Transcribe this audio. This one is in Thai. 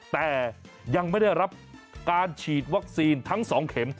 แต่ยังไม่ได้รับการฉีดวัคซีนทั้ง๒เข็ม